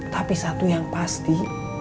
tapi satu yang pasti